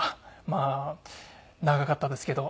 まあ長かったですけど。